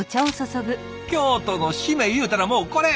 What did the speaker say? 京都の締めいうたらもうこれ！